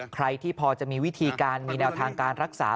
ใครที่พอจะมีวิธีการมีแนวทางการรักษา